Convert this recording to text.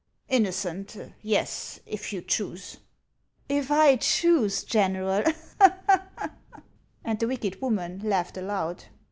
" Innocent — Yes, if you choose —"" If I choose, General !" And the wicked woman laughed aloud.